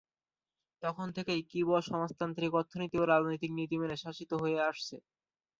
তখন থেকে কিউবা সমাজতান্ত্রিক অর্থনীতি ও রাজনৈতিক নীতি মেনে শাসিত হয়ে আসছে।